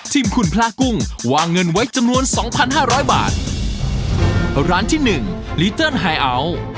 ทีมคุณพระกุ้งวางเงินไว้จำนวนสองพันห้าร้อยบาทร้านที่หนึ่งลีเจิ้นไฮอัล